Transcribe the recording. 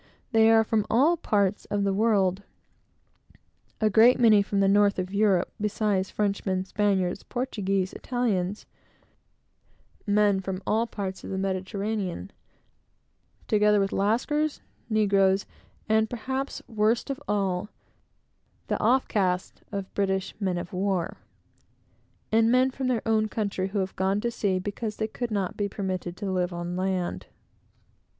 They are from all parts of the world. A great many from the north of Europe, beside Frenchmen, Spaniards, Portuguese, Italians, men from all parts of the Mediterranean, together with Lascars, Negroes, and, perhaps worst of all, the off casts of British men of war, and men from our own country who have gone to sea because they could not be permitted to live on land.